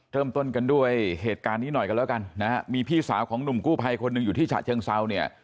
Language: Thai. เริ่มต้นกันด้วยเหตุการณ์นี้หน่อยกันแล้วกันนะฮะมีพี่สาวของหนุ่มกู้ภัยคนหนึ่งอยู่ที่ฉะเชิงเซาเนี่ย